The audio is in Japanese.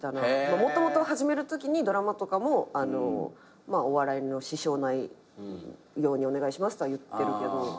もともと始めるときにドラマとかもお笑いの支障ないようにお願いしますとは言ってるけど。